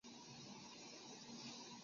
北重楼是黑药花科重楼属的植物。